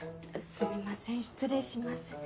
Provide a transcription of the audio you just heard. すみません失礼します。